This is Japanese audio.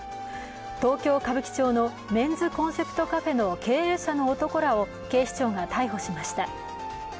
東京・歌舞伎町のメンズコンセプトカフェの経営者の男らを警視庁が逮捕しました。